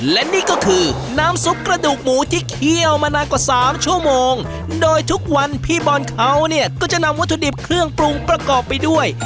และนี่ก็คือน้ำซุปกระดูกหมูที่เคี่ยวมานานกว่าสามชั่วโมงโดยทุกวันพี่บอลเขาเนี่ยก็จะนำวัตถุดิบเครื่องปรุงประกอบไปด้วย